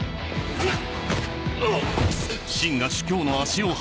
うっ。